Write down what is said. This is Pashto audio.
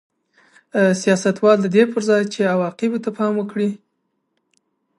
سیاستوالو د دې پر ځای چې عواقبو ته پام وکړي